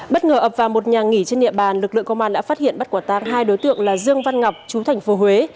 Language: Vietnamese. bất ngờ ập vào một nhà nghỉ trên địa bàn lực lượng công an đã phát hiện bắt quả tang hai đối tượng là dương văn ngọc chú thành phố huế